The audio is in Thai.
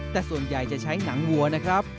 แต่ส่วนใหญ่จะใช้หนังวัวนะครับ